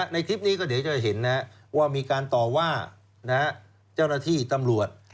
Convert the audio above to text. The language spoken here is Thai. ในคลิปนี้ก็เดี๋ยวจะเห็นว่ามีการต่อว่าเจ้าหน้าที่ตำรวจ